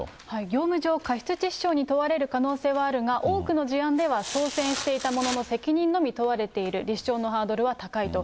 業務上過失致死傷に問われる可能性はあるが、多くの事案では操船していた者の責任のみ問われていると、立証のハードルは高いと。